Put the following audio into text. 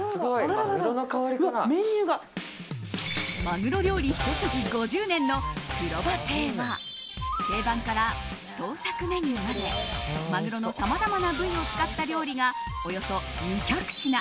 マグロ料理ひと筋５０年のくろば亭は定番から創作メニューまでマグロのさまざまな部位を使った料理が、およそ２００品。